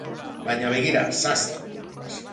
Baina, begira, sast!